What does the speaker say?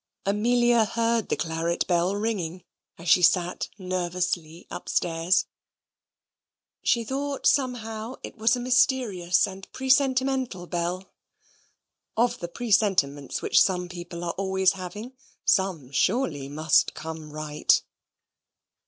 Amelia heard the claret bell ringing as she sat nervously upstairs. She thought, somehow, it was a mysterious and presentimental bell. Of the presentiments which some people are always having, some surely must come right.